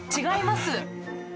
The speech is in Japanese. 違います。